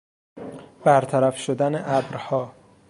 برطرف شدن ابرها